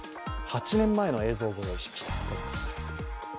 ８年前の映像をご用意しました。